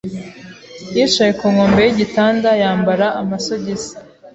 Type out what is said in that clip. yicaye ku nkombe yigitanda yambara amasogisi.